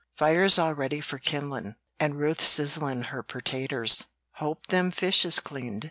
"Fire's all ready for kindlin', and Ruth's slicin' the pertaters. Hope them fish is cleaned?"